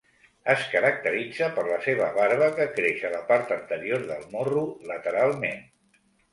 Es caracteritza per la seva barba que creix a la part anterior del morro, lateralment.